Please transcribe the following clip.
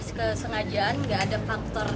dari kesengajaan enggak ada faktor